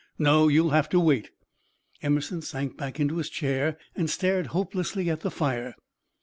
No, you'll have to wait." Emerson sank back into his chair, and stared hopelessly at the fire.